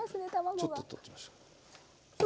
ちょっと取ってみましょう。